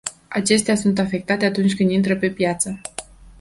Acestea sunt afectate atunci când intră pe piață.